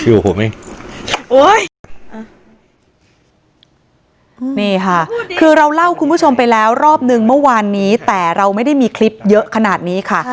นี่ค่ะคือเราเล่าคุณผู้ชมไปแล้วรอบนึงเมื่อวานนี้แต่เราไม่ได้มีคลิปเยอะขนาดนี้ค่ะ